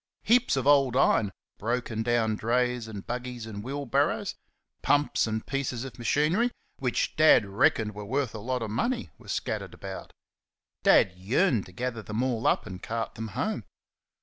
Heaps of old iron, broken down drays and buggies and wheel barrows, pumps and pieces of machinery, which Dad reckoned were worth a lot of money, were scattered about. Dad yearned to gather them all up and cart them home.